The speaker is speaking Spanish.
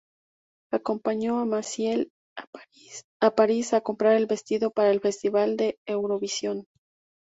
Acompañó a Massiel a París a comprar el vestido para el festival de Eurovisión.